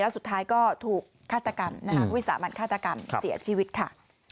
สุดท้ายก็ถูกฆาตกรรมนะคะวิสามันฆาตกรรมเสียชีวิตค่ะ